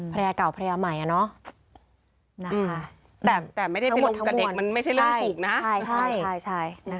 พระยาเก่าพระยาใหม่น่ะเนอะ